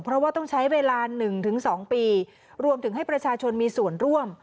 เพราะว่าต้องใช้เวลา๑๒ปีรวมถึงให้ประชาชนมีส่วนร่วม